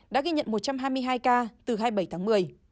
đã ghi nhận một trăm hai mươi hai ca từ hai mươi bảy tháng một mươi